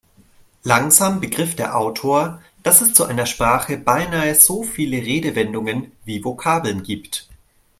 Langsam begriff der Autor, dass es zu einer Sprache beinahe so viele Redewendungen wie Vokabeln gibt.